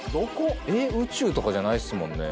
宇宙とかじゃないっすもんね。